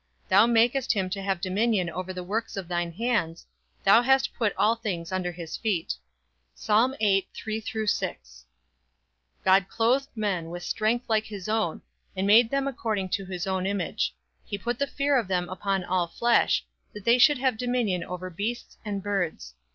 Thou makest him to have dominion over the works of thine hands, Thou hast put all things under his feet. Ps. 8: 8 6. God clothed men with strength like his own, And made them according to his own image. He put the fear of them upon all flesh, That they should have dominion over beasts and birds.